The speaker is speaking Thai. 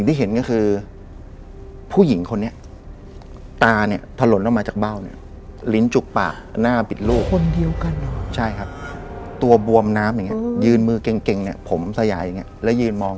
ที่คนในบ้านเขาเห็น